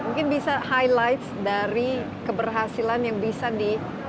mungkin bisa highlight dari keberhasilan yang bisa di